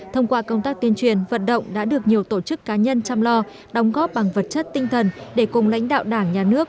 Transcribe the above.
thông qua công tác tuyên truyền vận động đã được nhiều tổ chức cá nhân chăm lo đóng góp bằng vật chất tinh thần để cùng lãnh đạo đảng nhà nước